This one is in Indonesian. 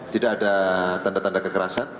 tidak ada tanda tanda kekerasan